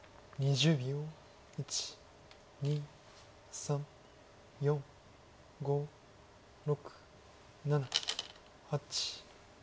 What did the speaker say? １２３４５６７８。